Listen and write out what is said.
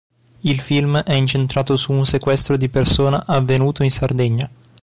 Il film è incentrato su un sequestro di persona avvenuto in Sardegna.